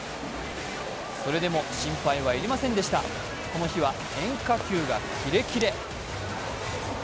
それでも心配は要りませんでした、この日は変化球がキレキレ。